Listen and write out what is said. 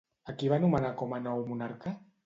A qui va nomenar com a nou monarca?